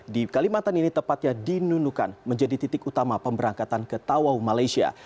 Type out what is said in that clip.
di kalimantan ini tepatnya di nunukan menjadi titik utama pemberangkatan ke tawau malaysia